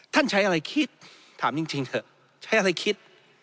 ใช้อะไรคิดถามจริงเถอะใช้อะไรคิด